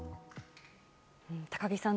高木さん